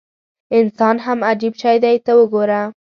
انسان هم عجیب شی دی ته وګوره.